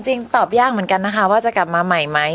จริงตอบยากเหมือนกันนะคะว่าจะกลับมาใหม่ไหม